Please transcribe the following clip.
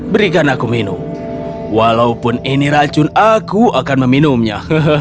berikan aku minum walaupun ini racun aku akan meminumnya